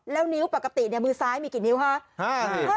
แล้วนิ้วปกติมือซ้ายมีกี่นิ้วคะ